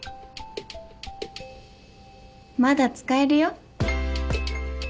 まだ使えるよ。